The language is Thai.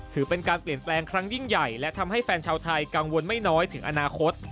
ถือเป็นการเปลี่ยนแปลงครั้งยิ่งใหญ่และทำให้แฟนชาวไทยกังวลไม่น้อยถึงอนาคต